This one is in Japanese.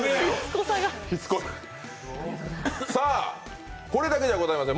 さあ、これだけではございません。